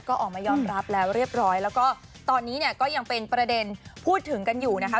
ก็ออกมายอมรับแล้วเรียบร้อยแล้วก็ตอนนี้เนี่ยก็ยังเป็นประเด็นพูดถึงกันอยู่นะคะ